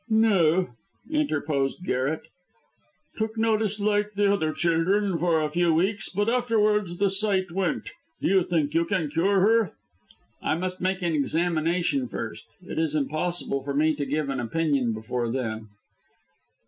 "No," interposed Garret. "Took notice like other children for a few weeks, but afterwards the sight went. Do you think you can cure her?" "I must make an examination first. It is impossible for me to give an opinion before then."